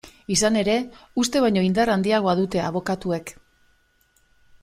Izan ere, uste baino indar handiagoa dute abokatuek.